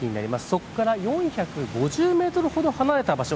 そこから４５０メートルほど離れた場所。